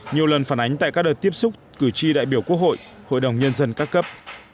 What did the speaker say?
nhiều lần phản ánh tại các đợt tiếp xúc cử tri đại biểu quốc hội hội đồng nhân dân các cấp